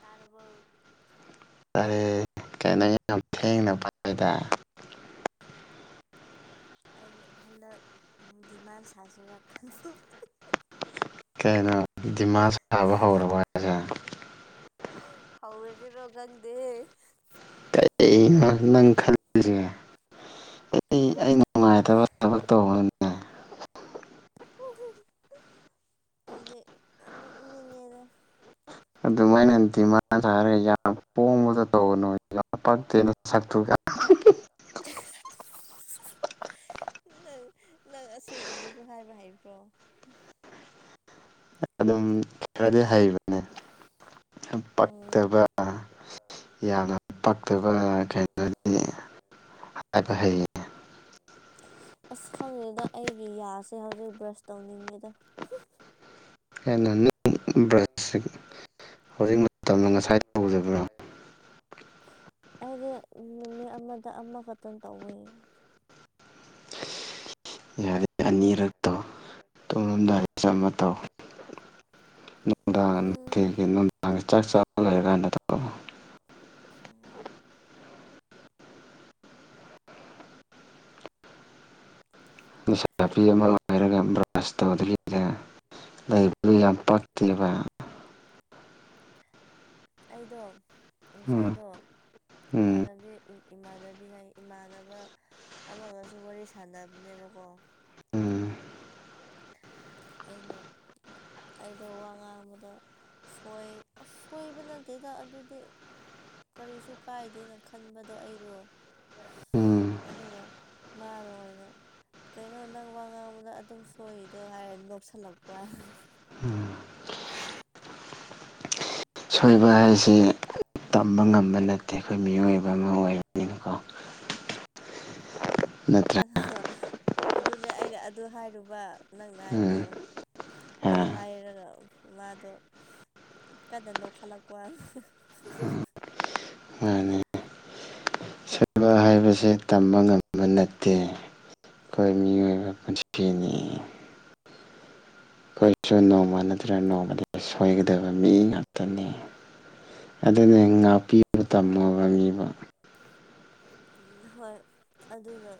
trouble ꯀꯔꯦ ꯀꯅ ꯌꯥꯝ ꯊꯦꯡꯅ ꯐꯗ ꯑꯩ ꯍꯟꯗꯛ ꯗꯤꯃꯥꯟ ꯁꯥꯖꯔ ꯈꯟꯂ ꯀꯩꯅ ꯗꯤꯃꯥꯟ ꯁꯥꯕ ꯍꯧꯔꯕ ꯍꯥꯏꯁꯦ ꯍꯧꯔꯗꯤ ꯔꯒꯪꯗꯦꯦ ꯀꯩꯅꯣ ꯅꯪ ꯈꯜꯂꯤꯁꯦ ꯑꯩ ꯑꯩ ꯅꯨꯡꯉꯥꯏꯇꯕ ꯊꯕꯛ ꯇꯧꯕꯅꯤ ꯍꯥꯏꯗꯤ ꯅꯣꯛꯅꯤꯡꯉꯦꯅ ꯑꯗꯨꯃꯥꯏꯅ ꯗꯤꯃꯥꯟꯁ ꯍꯥꯏꯔꯒ ꯌꯥꯝ ꯄꯣꯕꯗ ꯇꯧꯕꯅꯣ ꯌꯥꯝ ꯄꯛꯇꯦꯅ ꯁꯛꯇꯨꯒ [unintelligible] ꯅꯪ ꯅꯪ ꯑꯁꯤꯒꯨꯝꯕꯁꯨ ꯍꯥꯏꯕ ꯍꯥꯏꯕ꯭ꯔꯣ ꯑꯗꯨꯝ ꯈꯔꯗꯤ ꯍꯩꯕꯅꯦ ꯎꯝ ꯄꯛꯇꯕ ꯌꯥꯝꯅ ꯄꯛꯇꯕ ꯀꯩꯅꯣꯗꯤ ꯍꯥꯏꯕ ꯍꯩ ꯑꯁ ꯈꯪꯉꯦꯗ ꯑꯩꯒꯤ ꯌꯥꯁꯦ ꯍꯧꯖꯤꯛ ꯕ꯭ꯔꯁ ꯇꯧꯅꯤꯡꯉꯤꯗ ꯍꯦꯟꯅ ꯕ꯭ꯔꯁ ꯍꯧꯖꯤꯛ ꯃꯇꯝꯗ ꯉꯁꯥꯏ ꯇꯧꯗꯕ꯭ꯔꯣ ꯑꯩꯗꯤ ꯅꯨꯃꯤꯠ ꯑꯃꯗ ꯑꯃꯈꯛꯇꯪ ꯇꯧꯋꯦ ꯌꯥꯔꯤ ꯑꯅꯤꯔꯛꯇꯣ ꯇꯣꯡꯉꯣꯝꯗꯥꯏꯗ ꯆꯃ ꯇꯧ ꯅꯨꯡꯗꯥꯡ ꯅꯨꯡꯊꯤꯒꯤ ꯅꯨꯡꯗꯥꯡꯒꯤ ꯆꯥꯛ ꯆꯥꯕ ꯂꯩꯔ ꯀꯥꯏꯅ ꯇ ꯑꯣ ꯅꯤꯁꯥ ꯅꯥꯄꯤ ꯑꯃ ꯑꯣꯏꯔꯒ ꯕ꯭ꯔꯁ ꯇꯧꯉꯗ ꯂꯩꯕꯗꯨ ꯌꯥꯝ ꯄꯛꯈꯤꯕ ꯑꯩꯗꯣ ꯎꯝ ꯉꯁꯥꯏꯗꯣ ꯎꯝ ꯏꯃꯥꯟꯅꯕꯤ ꯏꯃꯥꯟꯅꯕꯤ ꯍꯥꯏ ꯏꯃꯥꯟꯅꯕ ꯑꯃꯒꯁꯨ ꯋꯥꯔꯤ ꯁꯥꯟꯅꯕꯅꯦꯕꯀꯣ ꯎꯝ ꯑꯩꯅ ꯑꯩꯗꯣ ꯋꯥ ꯉꯥꯡꯕꯗ ꯁꯣꯏ ꯑꯁꯣꯏꯕ ꯅꯠꯇꯦꯗ ꯑꯗꯨꯗꯤ ꯀꯔꯤꯁꯨ ꯀꯥꯏꯗꯦꯅ ꯈꯟꯕꯗꯣ ꯑꯩꯗꯣ ꯎꯝ ꯑꯗꯨꯒ ꯃꯥꯅ ꯑꯣꯏꯅ ꯀꯩꯅꯣ ꯅꯪ ꯋꯥ ꯉꯥꯡꯕꯗ ꯑꯗꯨꯝ ꯁꯣꯏꯔꯤꯗꯣ ꯍꯥꯏꯔ ꯅꯣꯛꯁꯜꯂꯛꯄ ꯎꯝ [inaudible] ꯁꯣꯏꯕ ꯍꯥꯏꯁꯦ ꯇꯝꯕ ꯉꯝꯕ ꯅꯠꯇꯦ ꯑꯩꯈꯣꯏ ꯃꯤꯑꯣꯏꯕ ꯑꯃ ꯑꯣꯏꯕꯅꯤꯅꯀꯣ ꯅꯠꯇ꯭ꯔꯥ ꯑꯗꯨꯅꯦ ꯑꯩꯅ ꯑꯗꯨ ꯍꯥꯏꯔꯨꯕ ꯅꯪꯅ ꯎꯝ ꯍꯥꯏꯕꯗꯣ ꯑꯗꯣ ꯑꯥ ꯍꯥꯏꯔꯒ ꯃꯥꯗꯣ ꯀꯗꯟꯗꯣ ꯈꯜꯂꯛꯄꯣ ꯑꯅꯦ ꯍꯥꯏꯕꯁꯦ ꯇꯝꯕ ꯉꯝꯕ ꯅꯠꯇꯦ ꯑꯩꯈꯣꯏ ꯃꯤꯑꯣꯏꯕ ꯄꯨꯟꯊꯅꯤ ꯑꯩꯈꯣꯏꯁꯨ ꯅꯣꯡꯃ ꯅꯠꯇ꯭ꯔꯒ ꯅꯣꯡꯃꯗ ꯁꯣꯏꯒꯗꯕ ꯃꯤ ꯉꯥꯛꯇꯅꯤ ꯑꯗꯨꯅ ꯉꯥꯛꯄꯤꯨ ꯇꯝꯃꯕꯅꯤꯕ ꯍꯣꯏ ꯑꯗꯨꯅ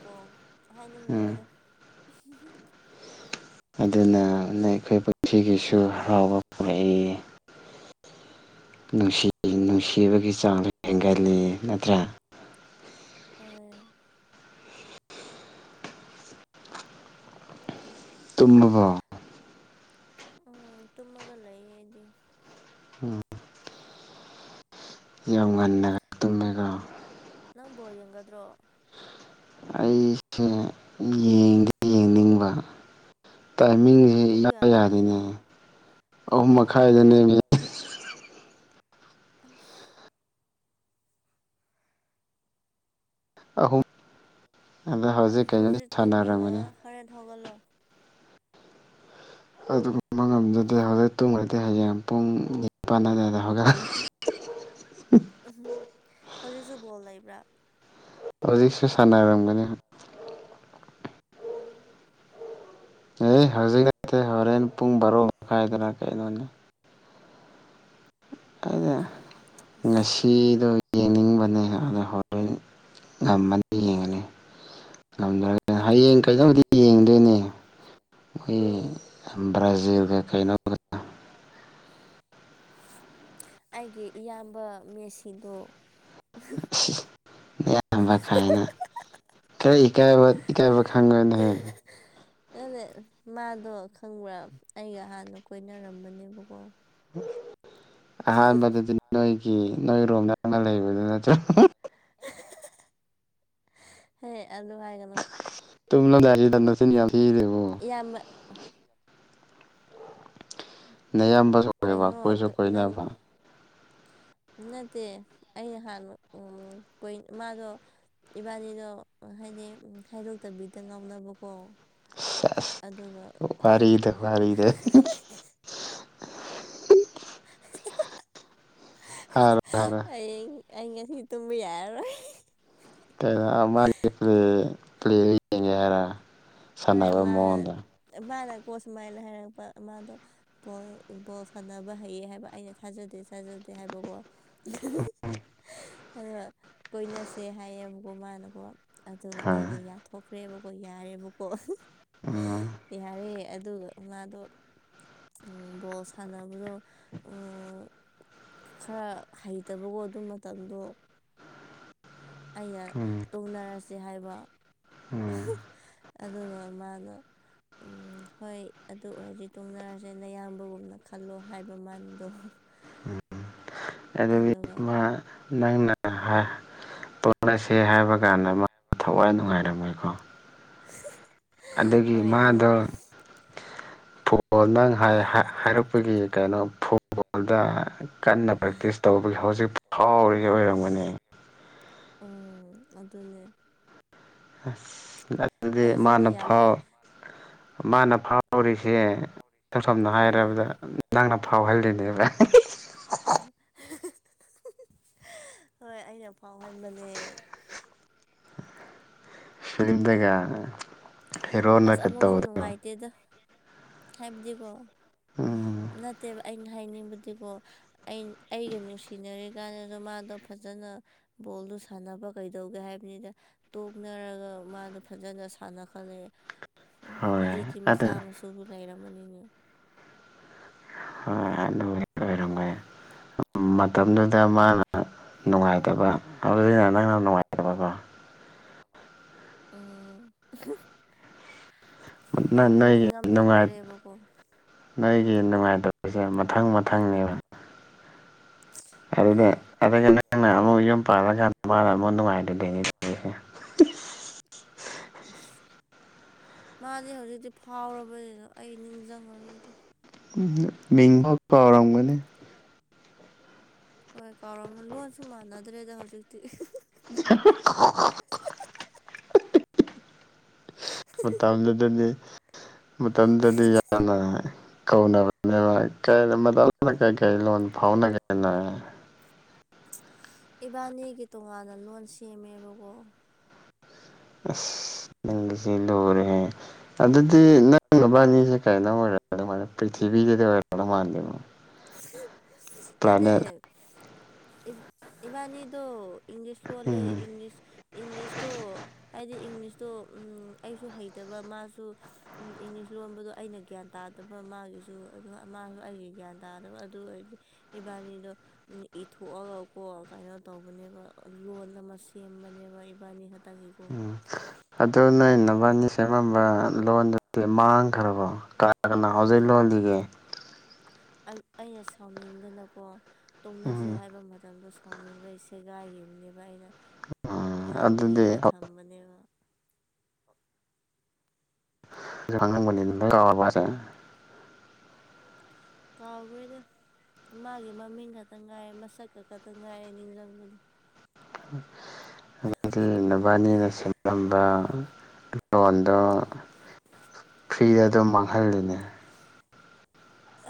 ꯀꯣ ꯎꯝ ꯍꯥꯏꯅꯤꯡꯗ꯭ꯔꯣꯏꯗꯣ ꯑꯗꯨꯅ ꯑꯩꯈꯣꯏ ꯄꯨꯟꯁꯤꯒꯤꯁꯨ ꯍꯔꯥꯎꯕ ꯄꯨꯔꯛꯏ ꯅꯨꯡꯁꯤ ꯅꯨꯡꯁꯤꯕꯒꯤ ꯆꯥꯡꯁꯨ ꯍꯦꯟꯒꯜꯂꯤ ꯅꯠꯇ꯭ꯔꯥ ꯍꯣꯏ ꯇꯨꯝꯂꯕꯣ ꯎꯝ ꯇꯨꯃꯒ ꯂꯩ ꯂꯩꯌꯦꯦꯗꯤ ꯎꯝ ꯌꯥꯝ ꯉꯟꯅꯒ ꯇꯨꯝꯃꯦꯒ ꯅꯪꯕꯣꯔ ꯌꯦꯡꯒꯗ꯭ꯔꯣ ꯑꯩꯁꯦ ꯌꯦꯡꯗꯤ ꯌꯦꯡꯅꯤꯡꯕ ꯇꯥꯏꯃꯤꯡꯁꯦ ꯏ ꯄꯨꯡ ꯀꯌꯥꯗꯅꯣ ꯌꯥꯗꯅꯦ ꯄꯨꯡ ꯑꯍꯨꯝ ꯀꯌꯥꯗꯅꯣ ꯃꯈꯥꯏꯗꯅꯦ ꯑꯐ ꯑꯍꯨꯝ ꯑꯗ ꯍꯧꯖꯤꯛ ꯀꯩꯅꯣꯅꯤ ꯁꯥꯟꯅꯔꯝꯒꯅꯤ ꯍꯔꯦ ꯒꯜꯂꯣ ꯑꯗꯨꯕ ꯉꯝꯗꯗꯦ ꯍꯧꯖꯤꯛ ꯇꯨꯡꯗꯗꯤ ꯍꯌꯦꯡ ꯄꯨꯡ ꯅꯤ ꯅꯤꯄꯥꯟꯗ ꯍꯧꯒꯠ ꯎ ꯍꯧꯖꯤꯛꯁꯨ ꯕꯣꯜ ꯂꯩꯕ꯭ꯔꯥ ꯍꯧꯖꯤꯛꯁꯨ ꯁꯥꯟꯅꯔꯝꯒꯅꯤ ꯎ ꯑꯦ ꯍꯧꯖꯤꯛ ꯅꯠꯇꯦ ꯍꯣꯔꯦꯟ ꯄꯨꯡ ꯕꯥꯔꯣ ꯃꯈꯥꯏꯗꯅ ꯀꯩꯅꯣꯅꯦ ꯑꯩꯅ ꯑꯁ ꯉꯁꯤꯗꯣ ꯌꯦꯡꯅꯤꯡꯕꯅꯦ ꯑꯗꯨꯅ ꯍꯣꯔꯣꯏ ꯉꯝꯃꯅꯤ ꯌꯦꯡꯉꯅꯤ ꯊꯖꯔꯒꯦ ꯍꯌꯦꯡ ꯀꯩꯗꯧꯗꯤ ꯌꯦꯡꯗꯣꯏꯅꯦ ꯑꯩ ꯕ꯭ꯔꯥꯖꯤꯜ ꯀ ꯀꯩꯅꯣ ꯑꯩꯒꯤ ꯏꯌꯥꯝꯕ ꯃꯦꯁꯤꯗꯣ ꯑꯌꯥꯝꯕ ꯀꯥꯏꯅ ꯈꯔ ꯏꯀꯥꯏꯕ ꯏꯀꯥꯏꯕ ꯈꯪꯒꯅꯤꯍꯌꯦ ꯑꯦ ꯃꯥꯗꯣ ꯈꯪꯕ꯭ꯔꯥ ꯑꯩꯒ ꯍꯥꯟꯅ ꯀꯣꯏꯅꯔꯝꯕꯅꯦꯕꯀꯣ ꯑꯍꯥꯟꯕꯗꯗꯤ ꯅꯣꯏꯒꯤ ꯅꯣꯏꯔꯣꯝ ꯅꯪꯅ ꯂꯩꯕꯗꯨ ꯅꯠꯇ꯭ꯔꯦ [unintelligible] ꯍꯦ ꯑꯗꯨ ꯍꯥꯏꯒꯅꯣ ꯇꯨꯝꯂꯝꯗꯥꯏꯁꯥꯗ ꯅꯤꯡꯊꯤꯔꯕ ꯌꯥꯝ ꯊꯤꯂꯤꯕꯣ ꯌꯥꯝꯃ ꯑꯥ ꯅꯌꯥꯝꯕ ꯀꯩꯅꯣ ꯅꯪ ꯅꯠꯇꯦ ꯑꯩ ꯍꯥꯟꯅ ꯎꯝ ꯀꯨꯏ ꯃꯥꯗꯣ ꯏꯕꯥꯟꯅꯤꯗꯣ ꯍꯥꯏꯗꯤ ꯈꯥꯏꯗꯣꯛꯇꯕꯤꯗ ꯉꯥꯎꯅꯕꯀꯣ ꯁꯦꯁ ꯑꯗꯨꯒ ꯋꯥꯔꯤꯗꯣ ꯋꯥꯔꯤꯗꯣ ꯍꯔꯣ ꯍꯔꯣ ꯍꯌꯦꯡ ꯑꯩ ꯉꯁꯤ ꯇꯨꯝꯕ ꯌꯥꯔꯔꯣꯏ ꯀꯩꯩꯅꯣ ꯃꯥꯒꯤ ꯄ꯭ꯂꯦ ꯌꯦꯡꯉꯦ ꯍꯥꯏꯔ ꯍꯣꯏ ꯁꯥꯟꯅꯕ ꯃꯥꯅ ꯃꯑꯣꯡꯗ ꯃꯥꯅꯀꯣ ꯁꯨꯃꯥꯏꯅ ꯍꯥꯏꯔꯛꯄ ꯃꯥꯗꯣ ꯕꯣꯜ ꯕꯣꯜ ꯁꯥꯟꯅꯕ ꯍꯩꯌꯦ ꯍꯥꯏꯕ ꯑꯩꯅ ꯊꯥꯖꯗꯦ ꯊꯥꯖꯗꯦ ꯍꯥꯏꯕꯀꯣ [unintelligible] ꯑꯗꯣ ꯀꯣꯏꯅꯁꯦ ꯍꯥꯏꯌꯦꯕꯀꯣ ꯃꯥꯅꯀꯣ ꯑꯗꯨꯒ ꯍꯥ ꯑꯩꯅ ꯌꯥ ꯊꯣꯛꯈ꯭ꯔꯦꯕꯀꯣ ꯌꯥꯔꯦꯕꯀꯣ ꯎꯝ ꯌꯥꯔꯦ ꯑꯗꯨꯒ ꯃꯥꯗꯣ ꯕꯣꯜ ꯁꯥꯟꯅꯕꯗꯣ ꯎꯝ ꯈꯔ ꯍꯩꯇꯕꯒꯣ ꯑꯗꯨ ꯃꯇꯝꯗꯣ ꯑꯩꯅ ꯎꯝ ꯇꯣꯡꯅꯔꯁꯦ ꯍꯥꯏꯕ ꯎꯝ [unintelligible] ꯑꯗꯨꯒ ꯃꯥꯅ ꯎꯝ ꯍꯣꯏ ꯑꯗꯨ ꯑꯣꯏꯔꯗꯤ ꯇꯣꯛꯅꯔꯁꯦ ꯅꯌꯥꯝꯕꯒꯨꯝꯅ ꯈꯜꯂꯣ ꯍꯥꯏꯕ ꯃꯥꯅꯥꯗꯣ [unintelligible] ꯑꯗꯨ ꯃꯥ ꯅꯪꯅ ꯍꯥꯏ ꯇꯣ ꯇꯣꯛꯅꯁꯦ ꯍꯥꯏꯕ ꯀꯥꯟꯗ ꯃꯥ ꯊꯋꯥꯏ ꯅꯨꯡꯉꯥꯏꯔꯝꯃꯣꯏꯀꯣ ꯑꯗꯨꯒꯤ ꯃꯥꯗꯣ ꯃꯗꯣ ꯐꯨꯠꯕꯣꯜ ꯅꯪ ꯍꯥꯏꯔꯛꯄꯒꯤ ꯀꯩꯅꯣ ꯐꯨꯠꯕꯣꯜꯗ ꯀꯟꯅ ꯄ꯭ꯔꯦꯛꯇꯤꯁ ꯇꯧꯕꯒꯤ ꯍꯧꯖꯤꯛ ꯐꯥꯎꯔꯤ ꯑꯣꯏꯔꯝꯒꯅꯤ ꯎꯝ ꯑꯗꯨꯅꯦ ꯑꯁ ꯑꯗꯨꯗꯤ ꯑꯩꯁꯨꯅꯦ ꯃꯥꯅ ꯌꯥꯝ ꯐꯥꯎ ꯃꯥꯅ ꯐꯥꯎꯔꯤꯁꯦ ꯏꯁꯝ ꯁꯝꯅ ꯎꯝ ꯍꯥꯏꯔꯕꯗ ꯅꯪꯅ ꯐꯥꯎꯍꯜꯂꯤꯅꯦꯕ [unintelligible] ꯍꯣꯏ ꯑꯩꯅ ꯐꯥꯎꯍꯟꯕꯅꯦ [unintelligible] ꯑꯁ ꯍꯦꯔꯣꯅꯒ ꯑꯃꯨꯛꯁꯨ ꯇꯧꯕꯗꯣ ꯅꯨꯡꯉꯥꯏꯇꯦꯗ ꯍꯥꯏꯕꯗꯤꯀꯣ ꯎꯝ ꯅꯠꯇꯦꯕ ꯑꯩꯅ ꯍꯥꯏꯅꯤꯡꯕꯗꯤꯀꯣ ꯑꯩ ꯑꯩꯒ ꯅꯨꯡꯁꯤꯅꯔꯤ ꯀꯥꯟꯗꯁꯨ ꯃꯥꯗꯣ ꯐꯖꯅ ꯕꯣꯜꯗꯨ ꯁꯥꯟꯅꯕ ꯀꯩꯗꯧꯒꯦ ꯍꯥꯏꯕꯅꯤꯗ ꯇꯣꯛꯅꯔꯒ ꯃꯥꯗꯣ ꯐꯖꯅ ꯁꯥꯟꯅ ꯈꯠꯂꯦ ꯎꯝ ꯍꯣꯏ ꯍꯧꯖꯤꯛꯇꯤ ꯑꯗꯨ ꯃꯆꯥ ꯃꯁꯨꯁꯨ ꯂꯩꯔꯝꯃꯅꯤꯅꯦ ꯍꯣꯏ ꯑꯗꯨꯕꯨꯗꯤ ꯑꯣꯏꯔꯝꯒꯅꯤ ꯃꯇꯝꯗꯨꯗ ꯃꯥꯅ ꯅꯨꯡꯉꯥꯏꯇꯕ ꯍꯧꯖꯤꯛꯅꯥ ꯅꯪꯅ ꯅꯨꯡꯉꯥꯏꯇꯕꯀꯣ ꯎꯝ [unintelligible] ꯑꯩꯁꯨ ꯅꯣꯏꯒꯤ ꯅꯨꯡꯉꯥꯏ ꯅꯤꯡꯉꯝꯅꯛꯇ꯭ꯔꯦꯕꯀꯣ ꯅꯣꯏꯒꯤ ꯅꯨꯡꯉꯥꯏꯇꯕꯁꯦ ꯃꯊꯪ ꯃꯊꯪꯅꯦꯕ ꯑꯗꯨꯗ ꯍꯣꯏ ꯑꯗꯨꯒ ꯅꯪꯅ ꯑꯃꯨꯛ ꯌꯨꯝ ꯄꯥꯜꯂꯒꯥꯟ ꯃꯥꯅꯥ ꯅꯨꯡꯉꯥꯏꯇꯥ [unintelligible] ꯇꯧꯔꯤꯁꯦ ꯑꯁ ꯃꯥꯗꯤ ꯍꯧꯖꯤꯛꯇꯤ ꯐꯥꯎꯔꯕꯅꯤ ꯑꯩ ꯅꯤꯡꯁꯤꯡꯉꯔꯣꯏꯗ ꯎꯝ ꯃꯤꯡꯕꯥꯎ ꯀꯥꯎꯔꯝꯒꯅꯤ ꯍꯣꯏ ꯀꯥꯎꯔꯝꯃ ꯂꯣꯟꯁꯨ ꯃꯥꯟꯅꯗ꯭ꯔꯦꯗ ꯍꯧꯖꯤꯛꯇꯤ [unintelligible] ꯍ [unintelligible] ꯃꯇꯝꯗꯨꯗꯗꯤ ꯃꯇꯝꯗꯨꯗꯗꯤ ꯌꯥꯝꯅ ꯀꯧꯅꯕꯅꯦꯕꯥ ꯏꯀꯥꯏꯔꯝꯕꯗꯣ ꯍꯧꯖꯤꯛꯅꯥ ꯀꯩꯀꯩ ꯂꯣꯟ ꯐꯥꯎꯅꯒꯦ ꯅꯣꯏ ꯏꯕꯥꯅꯤꯒꯤ ꯇꯣꯉꯥꯟꯅ ꯂꯣꯟ ꯁꯦꯝꯃꯦꯕꯀꯣ ꯑꯁ ꯅꯪꯁꯤ ꯂꯨꯔꯦꯍꯦ ꯑꯗꯨꯗꯤ ꯅꯪ ꯅꯕꯅꯤꯁꯦ ꯀꯩꯅꯣ ꯑꯣꯏꯔꯝꯗꯣ ꯃꯥꯜꯂꯦ ꯄ꯭ꯔꯤꯊꯤꯕꯤꯗꯗꯤ ꯑꯣꯏꯔꯝꯗꯣ ꯃꯥꯟꯗꯦꯕꯥ ꯑꯗꯦ ꯏꯕꯥꯅꯤꯗꯨ ꯏꯪꯂꯤꯁ ꯂ ꯋꯥꯔꯤꯂꯦ ꯎꯝ ꯏꯪꯂꯤꯁ ꯏꯪꯂꯤꯁꯇꯣ ꯍꯥꯏꯗꯤ ꯏꯪꯂꯤꯁꯇꯣ ꯑꯩꯁꯨ ꯍꯩꯇꯕ ꯃꯥꯁꯨ ꯏꯪꯂꯤꯁ ꯂꯣꯟꯕꯗꯣ ꯑꯩꯅ ꯒ꯭ꯌꯥꯟ ꯇꯥꯗꯕ ꯃꯥꯒꯤꯁꯨ ꯃꯥꯁꯨ ꯑꯩꯒꯤ ꯒ꯭ꯌꯥꯟ ꯇꯥꯗꯅꯕ ꯑꯗꯨ ꯑꯣꯏꯔꯗꯤ ꯏꯕꯥꯅꯤꯗꯣ ꯏꯊꯣꯛꯑꯒꯀꯣ ꯀꯩꯅꯣ ꯇꯧꯕꯅꯦꯕ ꯂꯣꯟ ꯑꯃ ꯁꯦꯝꯕꯅꯦꯕ ꯏꯕꯥꯅꯤ ꯈꯥꯛꯇꯪꯒꯤ ꯎꯝ ꯑꯗꯨ ꯅꯕꯥꯅꯤ ꯁꯦꯝꯃꯝꯕ ꯂꯣꯟꯗꯨꯗꯤ ꯃꯥꯡ ꯃꯥ ꯀ ꯑꯩꯅ ꯁꯥꯎꯅꯤꯡꯗꯅꯀꯣ ꯇꯨꯡꯅꯁꯦ ꯎꯝ ꯍꯥꯏꯕ ꯃꯇꯝꯗꯣ ꯍꯥꯎꯅꯤꯡꯕ ꯁꯦꯒꯥꯏꯈꯤꯕꯅꯦꯕ ꯑꯩꯅ ꯎꯝ ꯃꯌꯥꯝ ꯏꯔꯒ ꯑꯗꯨꯗꯤ ꯊꯝꯕꯅꯦꯕ ꯆꯥꯡꯅ ꯀꯥꯎꯒꯦꯗ ꯃꯥꯒꯤ ꯃꯃꯤꯡ ꯈꯛꯇ ꯉꯥꯏꯔꯦ ꯃꯁꯛ ꯈ ꯈꯛꯇꯪ ꯉꯥꯏꯔꯦ ꯅꯤꯡꯁꯤꯡꯕꯗꯣ ꯎꯝ ꯑꯗꯨꯗꯒꯤ ꯅꯕꯥꯅꯤꯅ ꯁꯦꯝꯂꯝꯕ ꯂꯣꯟꯗꯣ ꯐ꯭ꯔꯤꯗ ꯑꯗꯨꯝ ꯃꯥꯡꯍꯜꯂꯅꯦ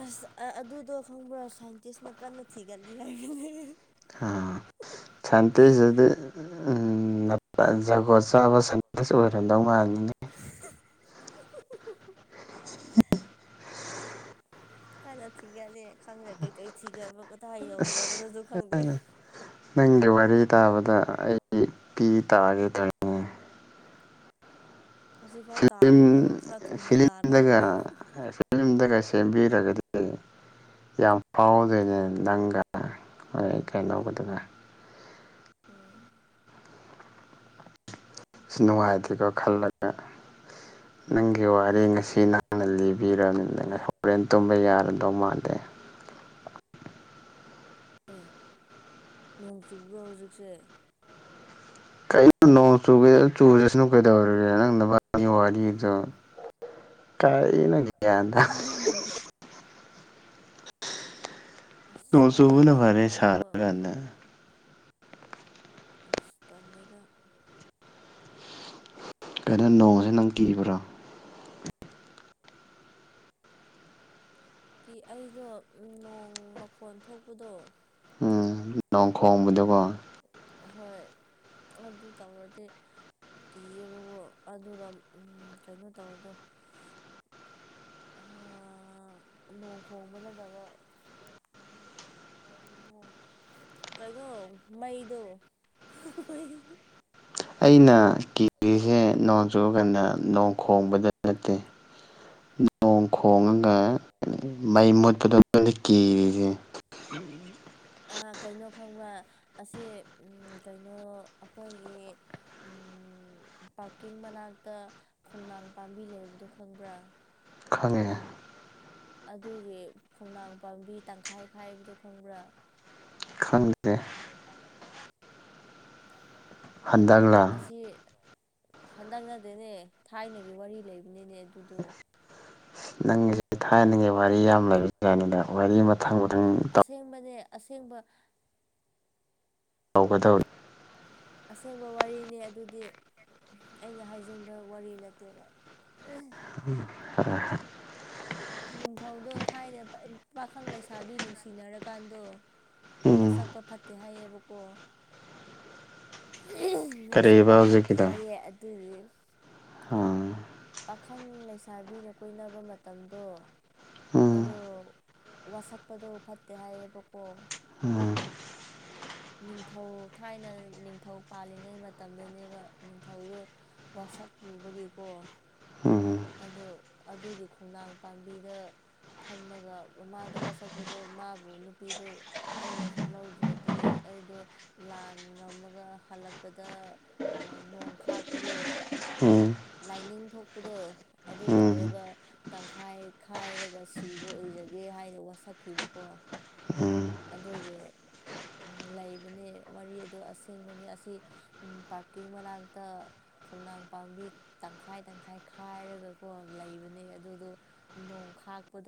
ꯑꯁ ꯑꯗꯨꯗꯣ ꯈꯪꯕ꯭ꯔꯥ ꯁꯥꯏꯟꯇꯤꯁꯅ ꯀꯟꯅ ꯊꯤꯒꯠꯂꯤ ꯍꯥꯏꯅꯤ ꯑꯥ ꯊꯥꯟꯇꯁꯨꯗ ꯖꯒꯣ ꯆꯥꯕ ꯁꯟꯁ ꯑꯣꯏꯔꯝꯗꯧ ꯃꯥꯜꯅꯤꯅ ꯈꯅ ꯊꯤꯒꯠꯅꯤ ꯈꯪꯗꯦ ꯀꯩꯀꯩ ꯊꯤꯒꯕ ꯀꯗꯥ ꯑꯁ ꯌꯧꯈ꯭ꯔꯕꯗꯨꯁꯨ ꯈꯪꯗꯦ ꯅꯪꯒꯤ ꯋꯥꯔꯤ ꯇꯥꯕꯗ ꯑꯩ ꯄꯤ ꯇꯥꯒꯗꯅꯤ ꯍꯧꯖꯤꯛꯐꯥꯎ ꯐꯤꯂꯝ ꯇꯥꯗ꯭ꯔꯤꯕꯣ ꯈꯔ ꯊꯨꯅ ꯇꯥꯔꯣ ꯐꯤꯂꯝꯗꯒ ꯐꯤꯂꯝꯗꯒ ꯁꯦꯝꯕꯤꯔꯒꯗꯤ ꯌꯥꯝ ꯐꯥꯎꯗꯣꯏꯅꯦ ꯅꯪꯒ ꯍꯣꯏ ꯀꯩꯅꯧꯕꯗꯨꯒ ꯑꯥ ꯁꯤ ꯅꯨꯡꯉꯥꯏꯇꯦꯀꯣ ꯈꯜꯂꯒ [unintelligible] ꯅꯪꯒꯤ ꯋꯥꯔꯤ ꯉꯁꯤ ꯅꯪꯅ ꯂꯤꯕꯤꯔꯕꯅꯤꯅ ꯉ ꯍꯣꯔꯦꯟ ꯇꯨꯝꯕ ꯌꯥꯔꯗꯧ ꯃꯥꯜꯂꯦ ꯑꯦ ꯅꯣꯡ ꯆꯨꯕ꯭ꯔꯣ ꯍꯧꯖꯤꯛꯁꯦ ꯀ ꯆ ꯆꯨꯨꯔꯁꯅꯨ ꯀꯩꯗꯧꯔꯒꯦ ꯅꯪ ꯋꯥꯔꯤꯗꯣ ꯀꯥꯏꯅꯒ ꯑꯗ ꯇꯨꯡ ꯑꯁ ꯃꯥꯗꯤ ꯁꯕꯨꯅꯕꯦ ꯑꯐꯥꯎꯕ ꯁꯔꯥꯟ ꯇꯂꯦꯗ ꯀꯩꯅꯣ ꯅꯣꯡꯁꯦ ꯅꯪ ꯀꯤꯔꯤꯕ꯭ꯔꯥ ꯀ ꯑꯩꯗꯣ ꯅꯣꯡ ꯃꯈꯣꯟ ꯊꯣꯛꯄꯗꯣ ꯎꯝ ꯂꯣꯡ ꯈꯣꯡꯕꯗꯀꯣ ꯍꯣꯏ ꯑꯗꯨ ꯇꯧꯔꯗꯤ ꯀꯤꯑꯕꯀꯣ ꯑꯗꯨꯒ ꯀꯩꯅꯣ ꯇꯧꯕꯗꯣ ꯅꯣꯡ ꯈꯣꯡꯕ ꯅꯠꯇꯕ ꯎꯝ ꯀꯩꯅꯣ ꯃꯩꯗꯣꯩ ꯑꯩꯅ ꯀꯦꯖꯤꯁꯦ ꯅꯣꯡ ꯆꯨꯨꯔꯀꯥꯟꯗ ꯅꯣꯡ ꯈꯣꯡꯕꯗ ꯅꯠꯇꯦ ꯊꯣꯡ ꯈꯣꯡꯉꯒ ꯃꯩ ꯃꯨꯠꯄꯗ ꯀꯤꯔꯤꯁꯦ ꯀꯩꯅꯣ ꯈꯪꯕ꯭ꯔ ꯑꯁꯤ ꯀꯩꯅꯣ ꯑꯩꯈꯣꯏꯒꯤ ꯄꯥꯔꯀꯤꯡ ꯃꯅꯥꯛꯇ ꯈꯣꯡꯅꯥꯡ ꯄꯥꯝꯕꯤ ꯂꯩꯕꯗꯣ ꯈꯪꯕ꯭ꯔꯥ ꯈꯪꯉꯦ ꯑꯗꯨꯒꯤ ꯈꯣꯡꯅꯥꯡ ꯄꯥꯝꯕꯤ ꯇꯪꯈꯥꯏꯈꯥꯏꯕꯗꯣ ꯈꯪꯕ꯭ꯔꯥ ꯈꯪꯂꯗꯦ ꯍꯟꯗꯛꯂ ꯑꯁꯤꯁꯦ ꯍꯟꯗꯛꯅꯗꯤꯅꯦ ꯊꯥꯏꯅꯒꯤ ꯋꯥꯔꯤ ꯂꯩꯕꯅꯤꯅꯦ ꯑꯗꯨꯗꯣ ꯅꯪꯒꯤꯁ ꯊꯥꯏꯅꯒꯤ ꯋꯥꯔꯤ ꯌꯥꯝ ꯂꯩꯕ ꯀꯅꯤꯗ ꯋꯥꯔꯤ ꯃꯊꯪ ꯃꯊꯪ ꯇꯧ ꯑꯁꯦꯡꯕꯅꯦ ꯑꯁꯦꯡꯕ ꯇꯧꯒꯗꯧꯅꯤ ꯑꯁꯦꯡꯕ ꯋꯥꯔꯤꯅꯤ ꯑꯗꯨꯗꯤ ꯑꯩꯅ ꯍꯥꯏꯖꯤꯟꯕ ꯋꯥꯔꯤ ꯅꯠꯇꯦꯕ [unintelligible] ꯅꯤꯡꯊꯧꯗꯣ ꯊꯥꯏꯅ ꯄꯥꯈꯪ ꯂꯩꯁꯥꯕꯤ ꯅꯨꯡꯁꯤꯅꯔꯀꯥꯟꯗꯣ ꯎꯝ ꯋꯥꯁꯛꯄ ꯐꯠꯇꯦ ꯍꯥꯏꯌꯦꯕꯀꯣ ꯃ ꯀꯔꯤꯕ ꯁꯛꯄ ꯐꯠꯇꯦ ꯍꯧꯖꯤꯛꯀꯤꯗꯣ ꯍꯥꯏꯌꯦ ꯑꯗꯨꯒꯤ ꯎꯝ ꯄꯥꯈꯪ ꯂꯩꯁꯥꯕꯤꯅ ꯀꯣꯏꯅꯕ ꯃꯇꯝꯗꯣ ꯎꯝ ꯑꯗꯣ ꯋꯥꯁꯛꯄꯗꯣ ꯐꯠꯇꯦ ꯍꯥꯏꯌꯦꯕꯀꯣ ꯎꯝ ꯅꯤꯡꯊꯧ ꯊꯥꯏꯅ ꯅꯤꯡꯊꯧ ꯄꯥꯜꯂꯤꯉꯩ ꯃꯇꯝꯗꯅꯦꯕ ꯅꯤꯡꯊꯧꯗꯨꯣ ꯋꯥ ꯁꯛ ꯂꯨꯕꯒꯤꯀꯣ ꯎꯝ ꯑꯗꯣ ꯑꯗꯨꯒꯤ ꯈꯣꯡꯅꯥꯡ ꯄꯥꯝꯕꯤꯗ ꯊꯝꯃꯒꯃꯥꯗ ꯋꯥꯁꯛꯄꯗꯣ ꯃꯥꯕꯨ ꯅꯨꯄꯤꯗꯨꯣ ꯑꯩꯅ ꯂꯧꯗ꯭ꯔꯗꯤ ꯑꯩꯗꯣ ꯂꯥꯟ ꯉꯝꯃꯒ ꯍꯜꯂꯛꯄꯗ ꯅꯣꯡ ꯈꯥꯛꯄꯗꯣ ꯎꯝ ꯂꯥꯏꯅꯤꯡ ꯊꯣꯛꯄꯗꯣ ꯑꯗꯨ ꯎꯝ ꯇꯧꯔꯒ ꯇꯪꯈꯥꯏꯈꯥꯏꯔꯒ ꯁꯤꯕ ꯑꯣꯏꯖꯒꯦ ꯍꯥꯏꯅ ꯋꯥꯁꯛꯈꯤꯕꯀꯣ ꯎꯝ ꯑꯗꯨꯒꯤ ꯂꯩꯕꯅꯦ ꯋꯥꯔꯤ ꯑꯗꯨ ꯑꯁꯦꯡꯕꯅꯤ ꯑꯁꯤ ꯄꯥꯔꯀꯤꯡ ꯃꯅꯥꯛꯇ ꯈꯣꯡꯅꯥꯡ ꯄꯥꯝꯕꯤ ꯇꯪꯈꯥꯏ ꯇꯪꯈꯥꯏ ꯍꯥꯏꯔꯒꯀꯣ ꯂꯩꯕꯅꯦ ꯑꯗꯨꯗꯣ ꯅꯣꯡ ꯈꯥꯛꯄꯗꯣ